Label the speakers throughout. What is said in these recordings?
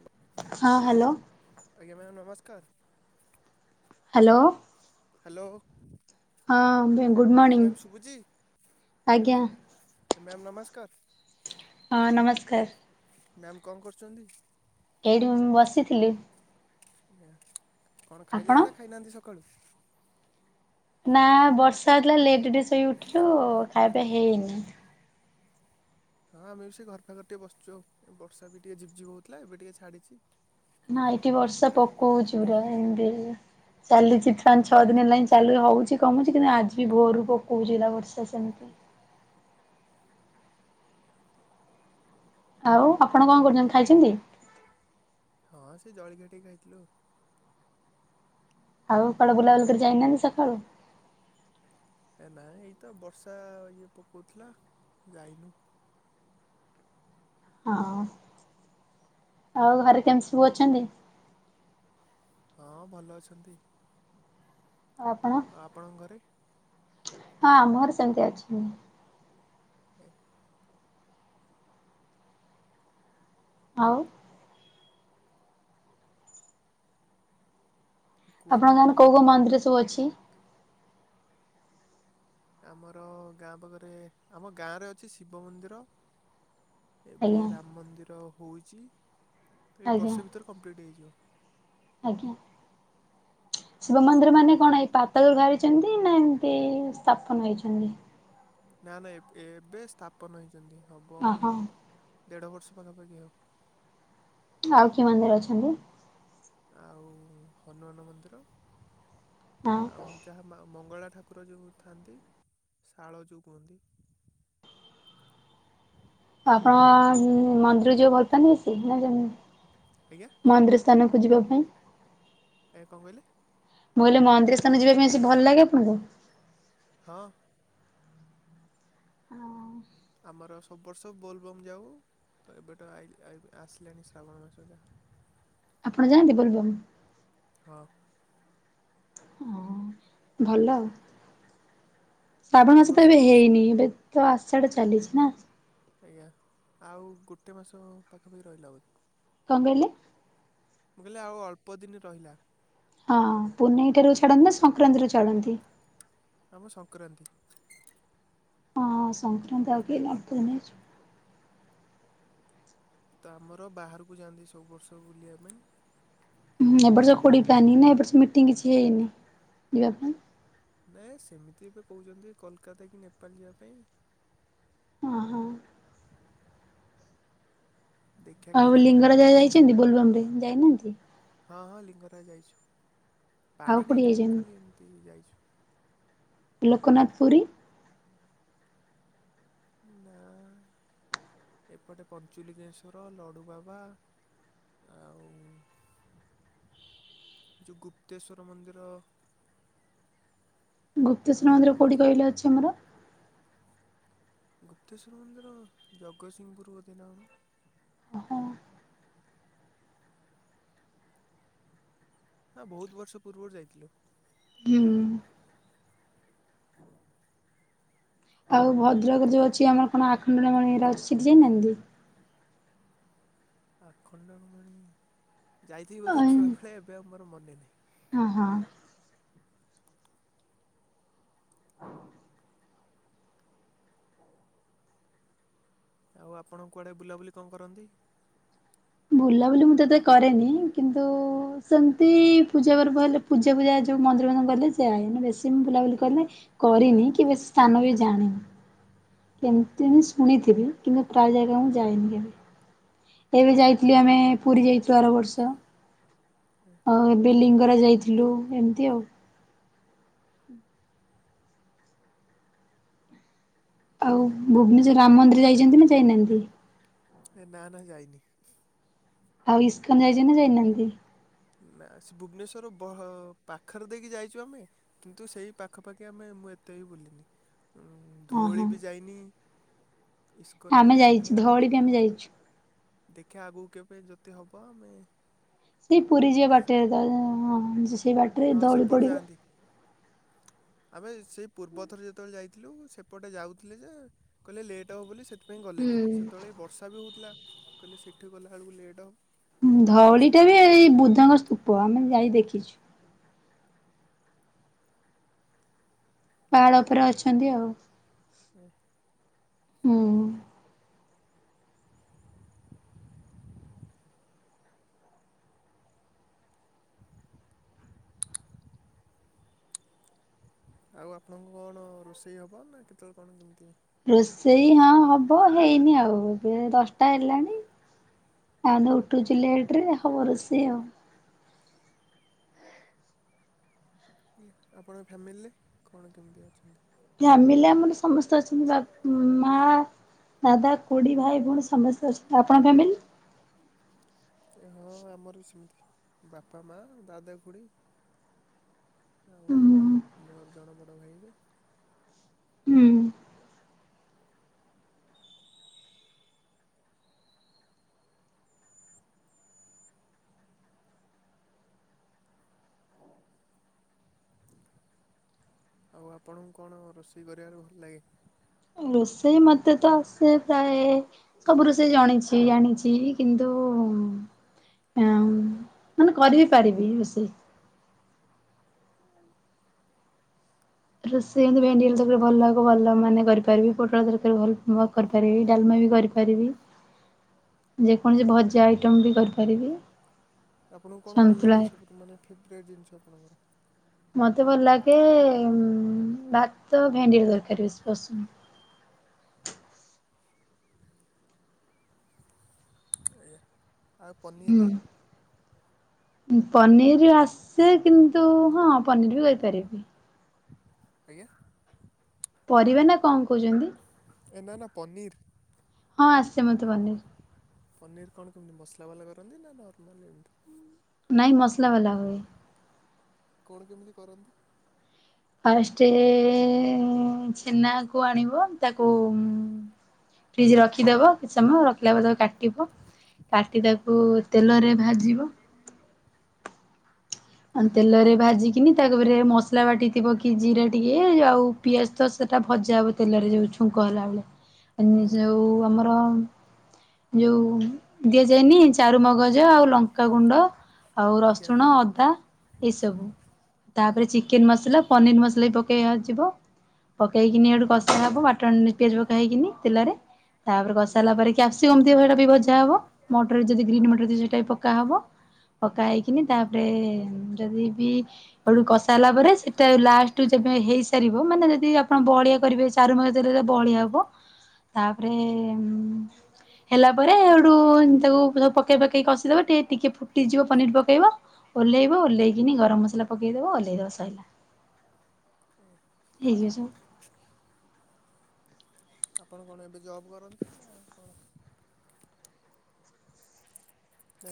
Speaker 1: Hello.
Speaker 2: ହଁ hello.
Speaker 1: ଆଜ୍ଞା ma'am ନମସ୍କାର।
Speaker 2: ହ୍ୟାଲୋ।
Speaker 1: ହ୍ୟାଲୋ।
Speaker 2: ହଁ ବେ ଗୁଡ଼୍
Speaker 1: ଆଜ୍ଞା
Speaker 2: ମର୍ଣ୍ଣିିଂ
Speaker 1: ମ୍ୟାମ୍ ଶୁଭୁଛି
Speaker 2: ଆଜ୍ଞା।
Speaker 1: ମ୍ୟାମ୍ ନମସ୍କାର।
Speaker 2: ହଁ ନମସ୍କାର।
Speaker 1: ମ୍ୟାମ କଣ କରୁଚନ୍ତି?
Speaker 2: ଏଇଠି ମୁଁ ବସିଥିଲି।
Speaker 1: ଆଜ୍ଞା କଣ
Speaker 2: ଆପଣ?
Speaker 1: ଖାଇଲେଣିି ନା ଖାଇନାହାନ୍ତି ସକାଳୁ?
Speaker 2: ନା ବର୍ଷା ହେଇଥିଲା ଲେଟ ରେ ଟିକେ ଶୋଇ ଉଠିଲୁ ଖାଆ ପିଆ ହେଇନି।
Speaker 1: ହଁ ଆମେ ବି ସେ ଘର ପାଖରେ ଟିକେ ବସିଚୁ ଆଉ। ଏ ବର୍ଷା ବି ଟିକେ ଝିପ୍ ଝିପ୍ ହଉଥିଲା ଏବେ ଟିକେ ଛାଡିଚି।
Speaker 2: ନା ଏଠି ବର୍ଷା ପକଉଛି ପୁରା ଏମିତି ହେଇକି। ଚାଲିଛି ପାଞ୍ଚ ଛଅ ଦିନ ହେଲାଇଁ ଚାଲୁ ହେଉଛି କମୁଛି କିନ୍ତୁ ଆଜି ଭୋରୁ ପକଉଛି ରା ବର୍ଷା ସେମିତି। ଆଉ ଆପଣ କଣ କରୁଛନ୍ତି ଖାଇଛନ୍ତି?
Speaker 1: ହଁ ସେ ଜଳଖିଆ ଟିକେ ଖାଇଥିଲୁ।
Speaker 2: ଆଉ କୁଆଡେ ବୁଲାବୁଲି କରି ଯାଇନାହାନ୍ତି ସକାଳୁ?
Speaker 1: ଏ ନାାଇ ଏଇ ତ ବର୍ଷା ଇଏ ପକାଉଥିଲା ଯାଇନୁ।
Speaker 2: ହଁ ଆଉ ଘରେ କେମିତି ସବୁ ଅଛନ୍ତି?
Speaker 1: ହଁ ଭଲ ଅଛନ୍ତି।
Speaker 2: ଆଉ ଆପଣ
Speaker 1: ଆପଣଙ୍କ ଘରେ
Speaker 2: ହଁ ଆମ ଘରେ ସେମିତି ଅଛନ୍ତି।
Speaker 1: ହଁ।
Speaker 2: ଆଉ। ଆପଣଙ୍କ
Speaker 1: କୁହନ୍ତୁ
Speaker 2: ଗାଁରେ କୋଉ କୋଉ ମନ୍ଦିର ସବୁ ଅଛି?
Speaker 1: ଆମର ଗାଁ ପାଖରେ ଆମ ଗାଁରେ ଅଛି ଶିବ ମନ୍ଦିର। ଏବେ
Speaker 2: ଆଜ୍ଞା
Speaker 1: ରାମ ମନ୍ଦିର ହଉଚି। ତ ଏଇ
Speaker 2: ଆଜ୍ଞା
Speaker 1: ବର୍ଷ ଭିତରେ କମ୍ପ୍ଲିଟ୍ ହେଇଯିବ।
Speaker 2: ଆଜ୍ଞା ଶିବ ମନ୍ଦିର ମାନେ
Speaker 1: ଆଉ
Speaker 2: କଣ ହେଇପ ରୁ ବାହାରିଛନ୍ତି ନା ଏମତି ସ୍ଥାପନ ହେଇଛନ୍ତି?
Speaker 1: ନା ନା ଏବେ ସ୍ଥାପନ ହେଇଛନ୍ତି ହବ
Speaker 2: ଓହୋ
Speaker 1: ଦେଢ଼ ବର୍ଷ ପାଖାପାଖି ହବ।
Speaker 2: ଆଉ କିଏ ମନ୍ଦିର ଅଛନ୍ତି?
Speaker 1: ଆଉ ହନୁମାନ ମନ୍ଦିର
Speaker 2: ହଁ
Speaker 1: ଆଉ ଯାହା ମା ମଙ୍ଗଳା ଠାକୁର ଯେଉଁ ଥାଆନ୍ତି, ଶାଳ ଯେଉଁ କୁହନ୍ତି।
Speaker 2: ଆପଣ ମନ୍ଦିର ଯିବ ଭଲ ପାନ୍ତି ସ ନା ଜମ
Speaker 1: ଆଜ୍ଞା।
Speaker 2: ମନ୍ଦିର ସ୍ଥାନକୁ ଯିବା ପାଇଁ
Speaker 1: ଏ କଣ କହିଲେ?
Speaker 2: ମୁଁହିଲଲେ ମନ୍ଦିର ସ୍ଥାନ ଯିବା ପାଇଁ ଆସି ଭଲ ଲାଗେ ଆପଣଙ୍କୁ?
Speaker 1: ହଁ। ଆମର ସବୁ ବର୍ଷ ବୋଲବମ୍ ଯାଉ। ତ ଏବେଠ ଆସିଲାଣି ଶ୍ରାବଣ ମାସ ହରିକା।
Speaker 2: ଆପଣ ଯାଆନ୍ତି ବୋଲବମ୍?
Speaker 1: ହଁ।
Speaker 2: ହଁ ଭଲ ଶ୍ରାବଣ ମାସ
Speaker 1: ଆମର
Speaker 2: ତ
Speaker 1: ସବୁ
Speaker 2: ଏବେ
Speaker 1: ବର୍ଷ
Speaker 2: ହେଇନି ଏବେ? ତ ଆସଡେ ଚାଲିଛି ନା?
Speaker 1: ଆଜ୍ଞା ଆଉ ଗୋଟେ ମାସ ପାଖାପାଖି ରହିଲା ବୋଧେ।
Speaker 2: କଣ କହିଲେ?
Speaker 1: ମୁଁ କହିଲି ଆଉ ଅଳ୍ପ ଦିନ ରହିଲା।
Speaker 2: ହଁ ପୁନେଇଠାରୁ ଛାଡ଼ନ୍ତି ନା ସଂକ୍ରାନ୍ତିରୁୁ ଛାଡନ୍ତି।
Speaker 1: ଆମ ସଂକ୍ରାନ୍ତି।
Speaker 2: ହଁ ସଂକ୍ରାନ୍ତି ଆଉ କେ
Speaker 1: ତ ଆମର ବାହାରକୁ ଯାଆନ୍ତି ସବୁ ବର୍ଷ ବୁଲିବା ପାଇଁ।
Speaker 2: ହୁଁ
Speaker 1: ତ
Speaker 2: ଏପଟ ସେ କୋଡି ପାନି ନା ଏ ସେ ମିଟିଂ କିଛି ହେଇନି ଯିବା ପାଇଁ।
Speaker 1: ନାଇ ସେମିତି ଏବେ କହୁଛନ୍ତି କୋଲକାତା କି ନେପାଳ ଯିବା ପାଇଁ।
Speaker 2: ହଁ ହଁ।
Speaker 1: ଦେଖିବା
Speaker 2: ଆଉ
Speaker 1: କୋଉଠି କଣ
Speaker 2: ଲିଙ୍ଗରାଜା
Speaker 1: ଠିକ୍ କରୁଛନ୍ତି
Speaker 2: ଯାଇଛନ୍ତି ବୋଲଭମ ରେ ଯାଇନାହାନ୍ତି।
Speaker 1: ହଁ ହଁ ଲିଙ୍ଗରାଜ ଯାଇଛୁ
Speaker 2: ଆଉ
Speaker 1: ପାଣି
Speaker 2: କୋଉଠି
Speaker 1: ନେଇାଇନୁ ଖାଲି
Speaker 2: ଯାଇଛନ୍ତି
Speaker 1: ଏମିତି ଯାଇଛୁ।
Speaker 2: ଲୋକନାଥ ପୁରୀ।
Speaker 1: ନା। ଏପଟେ ପଞ୍ଚୁଲିଙ୍ଗେଶ୍ଵର, ଲଡ଼ୁବାବା ଆଉ ହେ ଯଉ ଗୁପ୍ତେଶ୍ୱର ମନ୍ଦିର ଆହୁରି
Speaker 2: ଗୁପ୍ତେଶ୍ୱର ମନ୍ଦିର
Speaker 1: ଏମିତି
Speaker 2: କୋଉଠି
Speaker 1: ବହୁତ୍ ଜଣ।
Speaker 2: କହିଲେ ଅଛି ଆମର?
Speaker 1: ଗୁପ୍ତେଶ୍ୱର ମନ୍ଦିର ଜଗତସିଂହପୁର ବୋଧେ ନା କଣ।
Speaker 2: ଓହୋ
Speaker 1: ଆ ବହୁତ୍ ବର୍ଷ ପୂର୍ବରୁ ଯାଇଥିଲୁ।
Speaker 2: ହୁଁ। ଆଉ ଭଦ୍ରକ ରେ ଯୋଉ ଅଛି ଆମର କଣ ଆଖଣ୍ଡଳମଣି ଏରା ଅଛି ସେଠି ଯାଇନାହାନ୍ତି?
Speaker 1: ଆଖଣ୍ଡଳମଣି, ଯାଇଥିବି
Speaker 2: ଅ
Speaker 1: ବୋଧେ ଛୁଆବେଳେ ଏବେ ଆଉ ମୋର ମନେ ନାହିଁ।
Speaker 2: ହଁ ହଁ।
Speaker 1: ଆଉ ଆପଣ କୁଆଡେ ବୁଲାବୁଲି କଣ କରନ୍ତି?
Speaker 2: ବୁଲାବୁଲି ମୁଁ ତ ଏତେ କରେନି, କିନ୍ତୁ ସେମିତି ପୂଜା ପର୍ବ ହେଲେ ପୂଜା ଫୁଜା ଯଉ ମନ୍ଦିର ଫନ୍ଦିର ଗଲେ ଯାଏ। ବେଶୀ ମୁଁ ବୁଲା ବୁଲି କରିଲେ କରିନି କି ବେଶୀ ସ୍ଥାନ ବି ଜାଣିନି। କେମିତି ବି ଶୁଣିଥିବି କିନ୍ତୁ ପ୍ରାୟ ଜାଗା ମୁଁ ଯାଇନି କେଭେ। ଏବେ ଯାଇଥିଲୁ ଆମେ ପୁରୀ ଯାଇଥିଲୁ ଆର ବର୍ଷ।
Speaker 1: ହଁ
Speaker 2: ଆଉ ଏବେ ଲିଙ୍ଗରାଜ ଯାଇଥିଲୁ ଏମିତି ଆଉ। ଆଉ ଭୁବନେଶ୍ୱର ରାମ ମନ୍ଦିର ଯାଇଛନ୍ତି ନା ଯାଇନାହାନ୍ତି?
Speaker 1: ଏ ନା ନା ଯାଇନି।
Speaker 2: ଆଉ ଇସ୍କନ୍ ଯାଇଛନ୍ତି ନା ଯାଇନାହାନ୍ତି?
Speaker 1: ନା ସେ ଭୁବନେଶ୍ଵର ବହ ପାଖରେ ଦେଇକି ଯାଇଚୁ ଆମେ କିନ୍ତୁ ସେଇ ପାଖାପାଖି ଆମେ ମୁଁ ଏତେ ବି ବୁଲିନି। ଉଁ ଧଉଳି
Speaker 2: ଓହୋ
Speaker 1: ବି ଯାଇନି। ଇସ୍କନ ବି
Speaker 2: ଆମେ
Speaker 1: ଯାଇନି।
Speaker 2: ଯାଇଛୁ
Speaker 1: ରାମ
Speaker 2: ଧଉଳି ବି ଆମେ
Speaker 1: ମନ୍ଦିର,
Speaker 2: ଯାଇଛୁ
Speaker 1: ଦେଖିବା ଆଗକୁ କେବେ ଯଦି ହବ ଆମେ
Speaker 2: ସେଇ ପୁରୀ ଯିବା ବାଟରେ [unintelligible] ସେଇ ବା-
Speaker 1: ହଁ ସେପଟେ ଯାଆନ୍ତି। ଆମେ ସେଇ ପୂର୍ବ ଥର ଯେତେବେଳେ ଯାଇଥିଲୁ ସେପଟେ ଯାଉଥିଲେ ଯେ କହିଲେ ଲେଟ୍ ହବ ବୋଲି ସେଥି ପାଇଁ ଗଲେନି।
Speaker 2: ହୁଁ
Speaker 1: ସେତେବେଳେ ବି ବର୍ଷା ବି ହେଉଥିଲା କହିଲେ ସେଠି ଗଲାବେଳକୁ ଲେଟ୍ ହେବ। ପୁଣି
Speaker 2: ଧଉଳି ଟା ବି
Speaker 1: ସେଥିପାଇଁ ଗଲେ
Speaker 2: ଏଇ ବୃଦ୍ଧଙ୍କ ସ୍ତୂପ। ଆମେ ଯାଇ ଦେଖିଚୁ। ପାହାଡ ଉପରେ ଅଛନ୍ତି ଆଉ। ହୁଁ।
Speaker 1: [inaudible] [inaudible] ଆଉ ଆପଣଙ୍କ କଣ ରୋଷେଇ ହବ ନା କେତେବେଳେ କଣ କେମିତି?
Speaker 2: ରୋଷେଇ ହଁ ହବ ହେଇନି ଆଉ। ଏବେ ଦଶଟା ହେଲାଣି। ଆମେ ତ ଉଠୁଚୁ ଲେଟ୍ ରେ ହବ ରୋଷେଇ ଆଉ।
Speaker 1: ଆପଣଙ୍କ ଫ୍ୟାମିଲିରେ କଣ କେମିତି ଅଛନ୍ତି?
Speaker 2: ଫ୍ୟାମିଲି ଆମର ସମସ୍ତେ ଅଛନ୍ତି ବାପ୍ ମା ଦାଦା, ଖୁଡି, ଭାଇ, ଭଉଣୀ ସମସ୍ତେ ଅଛନ୍ତି। ଆପଣଙ୍କ ଫ୍ୟାମିଲି?
Speaker 1: ହଁ ଆମର ବି ସେମିତି। ବାପା ମା ଦାଦା ଖୁଡି ଆଉ
Speaker 2: ହୁଁ
Speaker 1: ମୋର ଜଣେ ବଡ଼ ଭାଇ ହେବେ।
Speaker 2: ହୁଁ।
Speaker 1: ଆଉ ଆପଣଙ୍କୁ କଣ ରୋଷେଇ କରିବାରେ ଭଲ ଲାଗେ?
Speaker 2: ରୋଷେଇ ମ ତ ଆସେ ପ୍ରାୟେ। ସବୁ ରୋଷେଇ ଜଣିଛି ଜାଣିଛି କିନ୍ତୁ ହଁ କରିପାରିବି ରୋଷେଇ। ରୋଷେଇ ଭେଣ୍ଡିରକାର ଭଲ ଭଲ ମାନେ କରିପାରିବି ପୋଟଳ ତରକାରୀ ଭଲ କରିପାରିବି। ପାରିବି ଡାଲମା ବି କରିପାରିବି।
Speaker 1: [inaudible]
Speaker 2: ଯେକୌଣସି ଭଜା ଆଇଟମ୍ ବି କରିପାରିବି।
Speaker 1: ଆପଣଙ୍କୁ କଣ ଭଲ
Speaker 2: ସନ୍ତୁଳା
Speaker 1: ଲାଗେ ସବୁଠୁ ମାନେ ଫେବେରାଟ୍ ଜିନିଷ ଆପଣଙ୍କର।
Speaker 2: ମତେ ଭଲ ଲାଗେ ଭାତ ଭେଣ୍ଡି ତରକିରି ପସନ୍ଦ।
Speaker 1: [unintelligible] [unintelligible]
Speaker 2: ପନିରି ଆସେ କିନ୍ତୁ ହ ପନିର ବି କରିପାରିବି।
Speaker 1: ଆଜ୍ଞା।
Speaker 2: ପରିବା ନା କଣ କହୁଛନ୍ତି।
Speaker 1: ଏ ନା ନା ପନିରି।
Speaker 2: ହଁ ଆସେ ମୋତେ ପନିର।
Speaker 1: ପନିର୍ କଣ କେମିତି ମସଲା ବାଲା କରନ୍ତି ନା ନର୍ମାଲ ଏମିତି।
Speaker 2: ନାଇଁ ମସଲା ବାଲା ହୁଏ।
Speaker 1: [unintelligible] କଣ କେମିତି କରନ୍ତି?
Speaker 2: ଫାଷ୍ଟେ ଛେନା କୁ ଆଣିବ ତାକୁ। ଫ୍ରିଜ ରେ ରଖିଦବ। କିଛି ସମୟ ରଖିଲା ପର୍ଯ୍ୟନ୍ତ କାଟିବ କାଟି ତାକୁ ତେଲରେ ଭାଜିବ। ଆଉ
Speaker 1: ଆଜ୍ଞା
Speaker 2: ତେଲରେ ଭାଜିିକି। କିିନି ତାପରେ ମସଲା ବାଟି ଥିବ କି ଜିରା ଟିକେ ଆଉ ପିଆଜ ତ ସେଇଟା ଭଜା ହେବ ତେଲରେ ଯେଉ [unintelligible]
Speaker 1: [unintelligible]
Speaker 2: ଯୋଉ ଆମର ଯୋଉ ଦିଆଯାଏନି ଚାରୁମଗଜ ଆଉ ଲଙ୍କାଗୁଣ୍ଡ ଆଉ
Speaker 1: ଆଜ୍ଞା ଆଜ୍ଞା
Speaker 2: ରସୁଣ
Speaker 1: ଆଜ୍ଞା।
Speaker 2: ଅଦା ଏଇସବୁ ତାପରେ ଚିକେନ ମସଲା ପନିର ମସଲା ବି ପକେଇବାଯିବ। ପକେଇକିନି ଏଠୁ କଷା ହେବ ବାଟଣ ପିଆଜ ପକେଇକିନି ତେଲରେ ତାପରେ କଷା ହେଲା ପରେ କ୍ୟାପ୍ସିକମ୍ ଥିବ ସେଇଟା ବି ଭଜା ହବ ମଟର ଯଦି ଗ୍ରୀନ୍ ମଟର ଥିବ ସେଇଟା ବି ପକ୍କା ହବ। ପକା ହେଇକିନି ତାପରେ ଯଦି ବି ଆଠୁ କସାରଲା ପରେ ସେଟା ଲାଷ୍ଟବେ ହେଇସାରିବ ମାନେ ଯଦି ଆପଣ ବହଳିଆ କରିବେ ଚାରିମଜ୍ ଦେଲେ ରେ ବଳିଆ ହବ, ତାପରେ ହେଲା ପରେ ସେଉଠୁ ତାକୁ ସବୁ ପକାଇ ପକେଇକି କଷିଦେବ ଟିକେ ଟିକିଏ ଫୁଟିଯିବ ପନିର୍ ପକାଇବ। ଓହ୍ଲେଇବ ଓହ୍ଲେଇକିନି ଗରମ ମସଲା ପକେଇଦବ ଓଲ୍ହେଇ ଦବ ସରିଲା।
Speaker 1: [unintelligible]
Speaker 2: ଠିକ୍।
Speaker 1: ଆପଣ କଣ ଏବେ ଜବ କରନ୍ତି ନା କଣ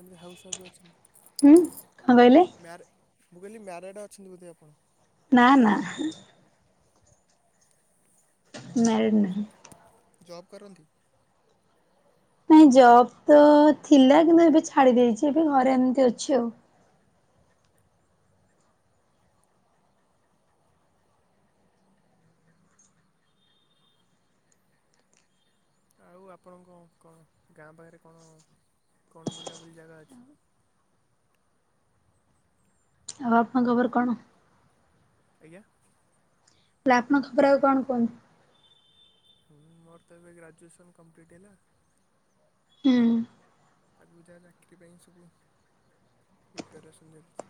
Speaker 1: ଆମତି ହାଉସ୍ୱାଫ ବି ଅଛନ୍ତି?
Speaker 2: ହୁଁ କଣ କହିଲେ?
Speaker 1: ମ୍ୟାରେ ମୁଁ କହିଲି ମ୍ୟାରେଡ଼୍ ଅଛନ୍ତି ବୋଧେ ଆପଣ?
Speaker 2: ନା ନା। ମ୍ୟାରେଡ ନାହିଁ।
Speaker 1: ଜବ୍ କରନ୍ତି?
Speaker 2: ନାଇଁ ଜବ୍ ତ ଥିଲା କିନ୍ତୁ ଏବେ ଛାଡ଼ି ଦେଇଛି ଏବେ ଘରେ ଏମିତି ଅଛି ଆଉ।
Speaker 1: ଆଉ ଆପଣଙ୍କ କଣ ଗାଁ ପାଖରେ କଣ କଣ ବୁଲାବୁଲି ଜାଗା ଅଛି?
Speaker 2: ଆଉ ଆପଣଙ୍କବର କଣ?
Speaker 1: ଆଜ୍ଞା?
Speaker 2: [unintelligible]
Speaker 1: ହୁଁ ମୋର ତ ଏବେ ଗ୍ରାଜୁଏସନ କମ୍ପ୍ଲିଟ୍ ହେଲା।
Speaker 2: ହୁଁ।
Speaker 1: ଆଗକୁ ଯାହା ଚାକିରି ପାଇଁ ସବୁ ପ୍ରିପାରେସନ ଚାଲିଛି।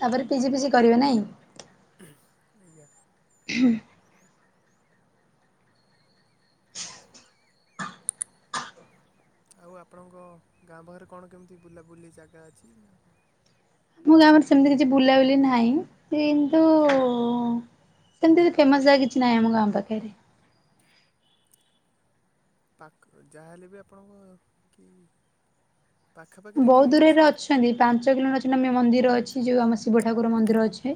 Speaker 2: ତାପରେ ପିଜି ଫିଜି କରିବେ ନାଇଁ?
Speaker 1: ଆଜ୍ଞା।
Speaker 2: ହୁଁ
Speaker 1: ଆଉ ଆପଣଙ୍କ ଗାଁ ପାଖରେ କଣ କେମିତି ବୁଲାବୁଲି ଜାଗା ଅଛି ନା କଣ?
Speaker 2: ମୋ ଗାଁରେ ସେମିତି କିଛି ବୁଲାବୁଲି ନାହିଁ କିନ୍ତୁ ସେମିତି ଫେମସ ଜାଗା କିଛି ନାହିଁ ଆମ ଗାଁ ପାଖରେ।
Speaker 1: ପାଖ ଯାହାହେଲେ ବି ଆପଣଙ୍କ କି ପାଖାପାଖିରେ
Speaker 2: ବହୁତ
Speaker 1: କେହି କିଛି
Speaker 2: ଦୂରରେ
Speaker 1: ନାହିଁ?
Speaker 2: ଅଛନ୍ତି ପାଞ୍ଚ କିଲୋମିଟର ମନ୍ଦିର ଅଛି ଯୋଉ ଆମ ଶିବ ଠାକୁର ମନ୍ଦିର ଅଛି।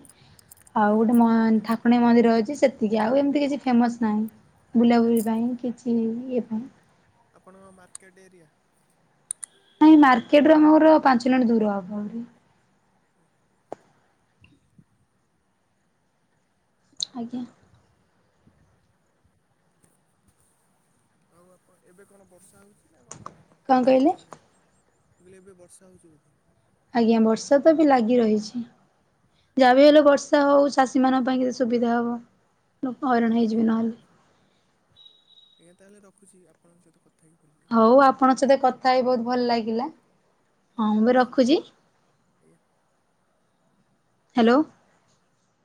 Speaker 2: ଆଉ
Speaker 1: ଆଜ୍ଞା
Speaker 2: ଗୋଟେ ଆମ ଠା ଆଣୀ ମନ୍ଦିର ଅଛି ସେତିକି ଆଉ ଏମିତି କିଛି ଫେମସ୍ ନାହିଁ ବୁଲାବୁଲି ପାଇଁ କିଛି ଇଏ ପାଇଁ।
Speaker 1: ଆପଣଙ୍କ ମାର୍କେଟ୍ ଏରିଆ?
Speaker 2: ନାଇଁ ମାର୍କେଟ ରୁ ଆମର ପାଞ୍ଚ ମିନିଟ ଦୂର ହବ।
Speaker 1: ହୁଁ
Speaker 2: ଆଜ୍ଞା।
Speaker 1: ଆଉ ଆପଣ ଏବେ କଣ ବର୍ଷା ହେଉଛି ନା କଣ
Speaker 2: କଣ କହିଲେ?
Speaker 1: ଛାଡ଼ିଗଲାଣି? ବୋଇଲେ ଏବେ ବର୍ଷା ହଉଛି ବୋଧେ?
Speaker 2: ଆଜ୍ଞା ବର୍ଷା ତ ଏବେ ଲାଗି ରହିଛି। ଯାହା ବି ହେଲେ ବର୍ଷା ହଉ ଚାଷୀ ମାନଙ୍କ ପାଇଁ କି ସୁବିଧା ହବ ଲୋକ ହଇରାଣ ହେଇଯିବେ ନହେଲେ।
Speaker 1: ଆଜ୍ଞା ତାହେଲେ ରଖୁଛି ଆପଣଙ୍କ ସହିତ କ
Speaker 2: ହଉ ଆପଣଙ୍କ ସହିତ କଥା ହେଇ ବହୁତ ଭଲ ଲାଗିଲା।
Speaker 1: ଜ୍ଞା
Speaker 2: ହଁ ମୁଁ ବି
Speaker 1: ଧନ୍ୟବାଦ
Speaker 2: ରଖୁଛି
Speaker 1: ଆଜ୍ଞା।
Speaker 2: ହ୍ୟାଲୋ।